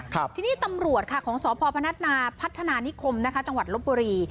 ทีนี้ตำรวจของสพพัฒนานิคมจังหวัดลบบุรี